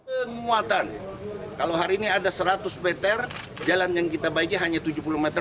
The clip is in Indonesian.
penguatan kalau hari ini ada seratus meter jalan yang kita baiknya hanya tujuh puluh meter